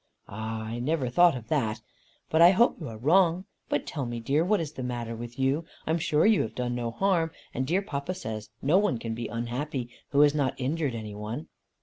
"Ah, I never thought of that. But I hope you are wrong. But tell me, dear, what is the matter with you. I'm sure you have done no harm, and dear papa says no one can be unhappy who has not injured any one."